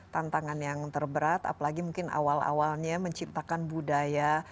tantangan yang terberat apalagi mungkin awal awalnya menciptakan budaya